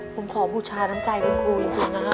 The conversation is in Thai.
ผมขอบูชาน้ำใจคุณครูจริงนะฮะ